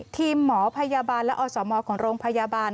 ทีมหมอพยาบาลและอสมของโรงพยาบาล